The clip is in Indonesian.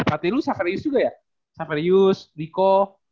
berarti lu saferius juga ya saferius rico